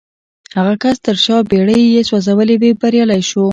هغه کس چې تر شا بېړۍ يې سوځولې وې بريالی شو.